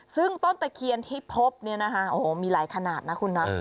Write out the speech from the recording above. ซึ่งต้นตะเคียนที่พบเนี่ยนะคะโอ้โหมีหลายขนาดนะคุณนะ